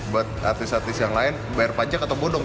buat artis artis yang lain bayar pajak atau bodong